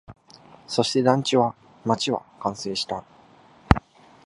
そして、団地は、街は完成した